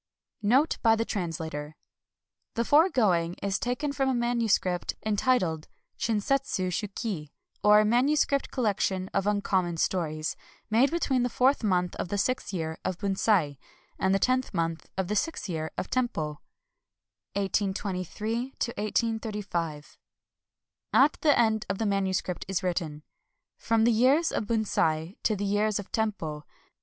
7. — (Note by the Translator.) The foregoing is taken from a manuscript entitled Chin Setsu Shu Ki ; or, "Manu script Collection of Uncommon Stories," — made between the fourth month of the sixth year of Bunsei and the tenth month of the sixth year of Tempo [1823 1835]. At the end of the manuscript is written, —'•^ From the years of Bunsei to the years of Tempo.